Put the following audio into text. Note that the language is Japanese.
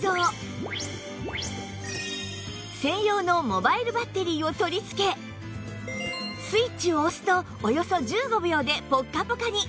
専用のモバイルバッテリーを取り付けスイッチを押すとおよそ１５秒でポッカポカに